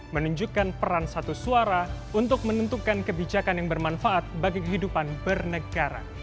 menunjukkan peran satu suara untuk menentukan kebijakan yang bermanfaat bagi kehidupan bernegara